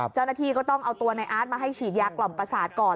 เจ้าหน้าที่ก็ต้องเอาตัวในอาร์ตมาให้ฉีดยากล่อมประสาทก่อน